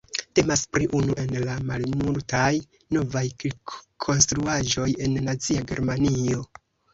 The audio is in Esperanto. Temas pri unu el la malmultaj novaj kirkkonstruaĵoj en Nazia Germanio.